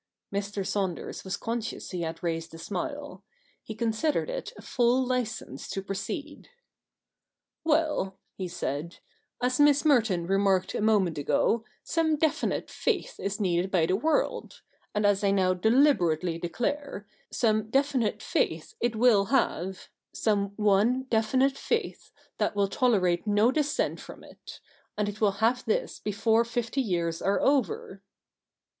Mr. Saunders was conscious he had raised a smile. He considered it a full licence to proceed. 'Well' he said, 'as Miss Merton remarked a moment ago, some definite faith is needed by the world ; and as I n(Ow deliberately declare, some definite faith it will have — ^some one definite faith that will tolerate no dissent from it ; and it will have this before fifty years are over.'